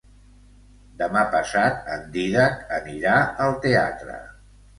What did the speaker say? Demà passat en Dídac anirà al teatre.